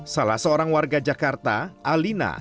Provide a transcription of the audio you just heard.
salah seorang warga jakarta alina